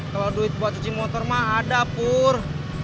kalau duit buat cuci motor mah ada pur